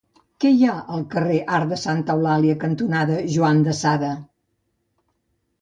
Què hi ha al carrer Arc de Santa Eulàlia cantonada Juan de Sada?